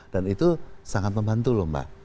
dan itu sangat membantu lho mbak